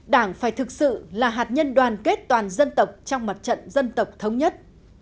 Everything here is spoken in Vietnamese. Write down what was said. đảng phải thực sự là hạt nhân đoàn kết toàn dân tộc trong mặt trận dân tộc thống nhất